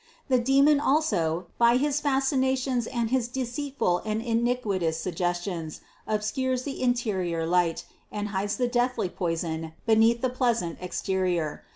The demon also, by his fascinations and his deceitful and iniquitous suggestions obscures the interior light, and hides the deathly poison beneath the pleasant exterior.